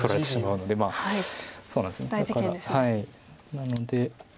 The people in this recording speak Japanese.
なので。